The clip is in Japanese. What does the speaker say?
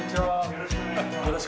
よろしくお願いします。